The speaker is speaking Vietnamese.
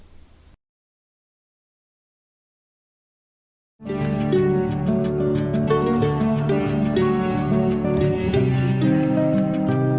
hãy đăng ký kênh để ủng hộ kênh của mình nhé